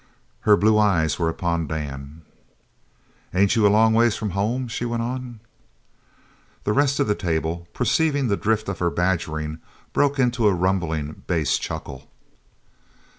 Her blue eyes were upon Dan. "Ain't you a long ways from home?" she went on. The rest of the table, perceiving the drift of her badgering, broke into a rumbling bass chuckle.